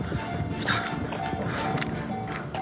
いた。